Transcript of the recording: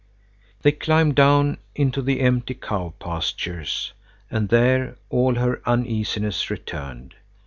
They climbed down into the empty cow pastures, and there all her uneasiness returned.